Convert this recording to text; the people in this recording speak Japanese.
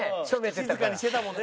静かにしてたもんね。